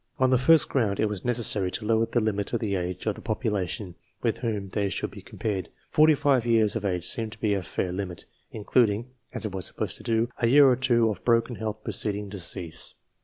On the first ground, it was necessary to lower the limit of the age of the population with whom they should be compared. Forty five years of age seemed to me a fair limit, including, as it was supposed to do, a year or two of broken health preceding decease.